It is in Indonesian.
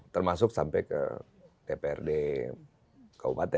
termasuk sampai ke dprd kabupaten